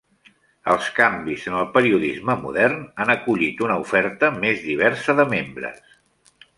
Els canvis en el periodisme modern han acollit una oferta més diversa de membres.